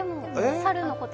猿のこと？